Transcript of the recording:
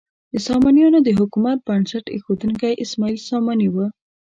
د سامانیانو د حکومت بنسټ ایښودونکی اسماعیل ساماني و.